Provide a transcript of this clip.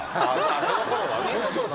そのころはね。